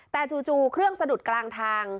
แต่จู่เครื่องสะดุดกลางทาง